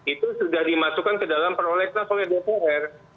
itu sudah dimasukkan ke dalam prolegnas oleh dpr